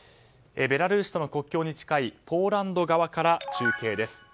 ベラルーシとの国境に近いポーランド側から中継です。